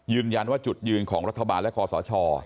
ยืนยันว่าจุดยืนของรัฐบาลและคอสช